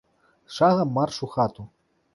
Шагам марш у хату.